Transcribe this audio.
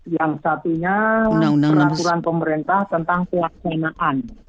yang satunya peraturan pemerintah tentang pelaksanaan